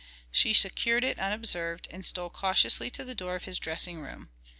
She secured it unobserved and stole cautiously to the door of his dressing room.